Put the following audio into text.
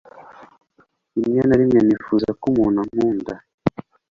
rimwe na rimwe nifuza ko umuntu ankunda